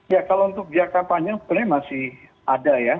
ya kalau untuk jangka panjang sebenarnya masih ada ya